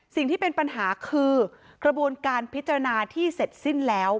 สิ่งที่เป็นปัญหาคือกระบวนการพิจารณาที่เสร็จสิ้นแล้ว